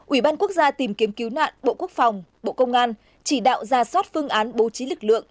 ủy ban quốc gia tìm kiếm cứu nạn bộ quốc phòng bộ công an chỉ đạo ra soát phương án bố trí lực lượng